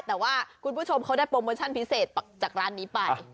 แต่ว่าคุณผู้ชมเขาได้โปรโมชั่นพิเศษจากร้านนี้ไป